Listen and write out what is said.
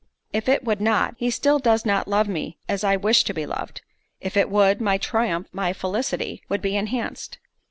If it would not, he still does not love me as I wish to be loved—if it would, my triumph, my felicity, would be enhanced."